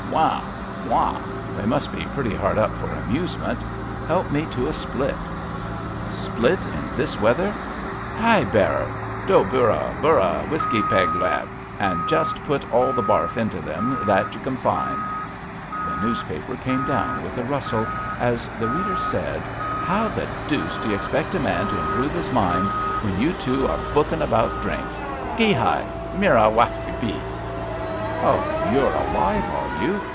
'' Wahl Wahl They must be pretty hard up for amusement. Help me to a split." Ill 112 ABAFT THE FUNNEL *J Split in this weather 1 Hi, bearer, do hurra — hurra whiskey peg lao, and just put all the harf into them that you can find.*' The newspaper came down with a rustle, as the reader said: How the deuce d'you expect a man to improve his mind when you two are hvkhing about drinks? Qui hail Mcra wasti hhi/^ Ohl you're alive, are you?